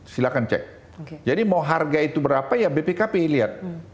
silahkan cek jadi mau harga itu berapa ya bpkp lihat